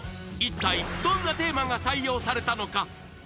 一体どんなテーマが採用されたのか？